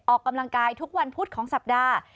ออกกำลังกายทุกวันพุธของสัปดาห์